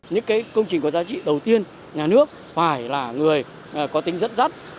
những công trình có giá trị đầu tiên nhà nước phải là người có tính dẫn dắt